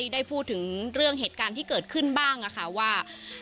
ได้พูดถึงเรื่องเหตุการณ์ที่เกิดขึ้นบ้างค่ะว่า